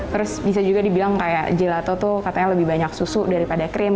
terus bisa juga dibilang kayak gelato tuh katanya lebih banyak susu daripada krim